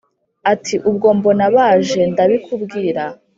Ati : Ubwo mbona baje ndabikubwira